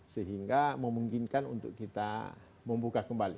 sehingga memungkinkan untuk kita membuka kembali